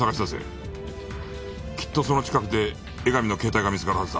きっとその近くで江上の携帯が見つかるはずだ。